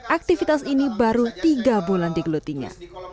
aktivitas ini baru tiga bulan digelutinya